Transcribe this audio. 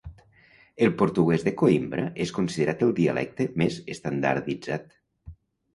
El portugués de Coïmbra és considerat el dialecte més estandarditzat.